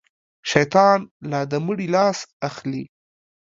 شيطان لا د مړي لاس اخلي.